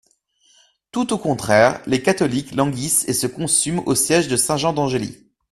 Tout au contraire, les catholiques languissent et se consument au siége de Saint-Jean-d'Angély.